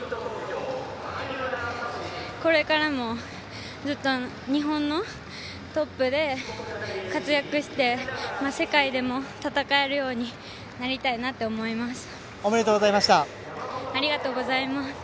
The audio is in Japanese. これからもずっと日本のトップで活躍して、世界でも戦えるようにおめでとうございました。